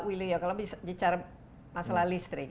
pak william kalau bicara masalah listrik